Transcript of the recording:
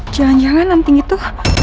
jangan jangan anting itu